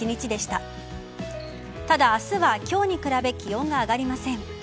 ただ、明日は今日に比べ気温が上がりません。